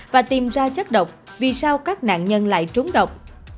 và tìm ra chất độc vì sao các nạn nhân lại trúng độc